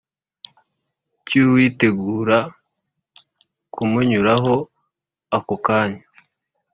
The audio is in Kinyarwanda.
cy'uwitegura kumunyuraho ako kanya.